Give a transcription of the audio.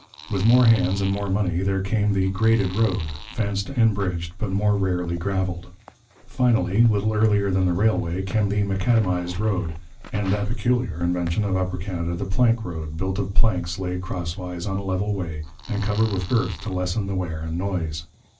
With more hands and more money there came the graded road, fenced and bridged, but more rarely gravelled. Finally, little earlier than the railway, came the macadamized road, and that peculiar invention of Upper Canada, the plank road, built of planks laid crosswise on a level way, and covered with earth to lessen the wear and noise.